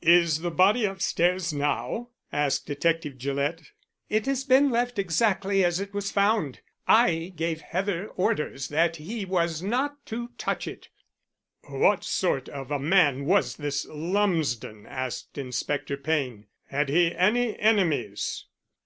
"Is the body upstairs now?" asked Detective Gillett. "It has been left exactly as it was found. I gave Heather orders that he was not to touch it." "What sort of a man was this Lumsden?" asked Inspector Payne. "Had he any enemies?"